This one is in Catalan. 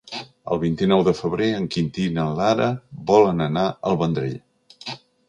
El vint-i-nou de febrer en Quintí i na Lara volen anar al Vendrell.